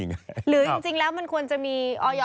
อ่อยอนำปลามาเป็นอาหารเสริม